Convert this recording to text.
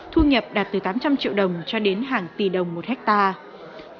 thu nhập đạt từ tám trăm linh triệu đồng cho đến hàng tỷ đồng một hectare